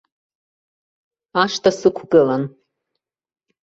Ашҭа сықәгылан.